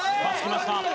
８きました。